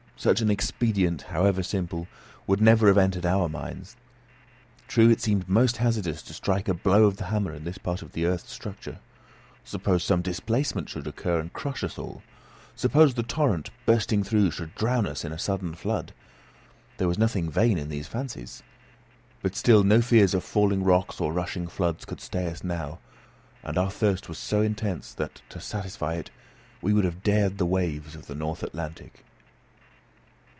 Such an expedient, however simple, would never have entered into our minds. True, it seemed most hazardous to strike a blow of the hammer in this part of the earth's structure. Suppose some displacement should occur and crush us all! Suppose the torrent, bursting through, should drown us in a sudden flood! There was nothing vain in these fancies. But still no fears of falling rocks or rushing floods could stay us now; and our thirst was so intense that, to satisfy it, we would have dared the waves of the north Atlantic.